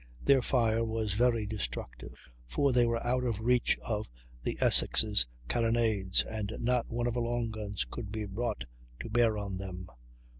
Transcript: Their fire was very destructive, for they were out of reach of the Essex's carronades, and not one of her long guns could be brought to bear on them.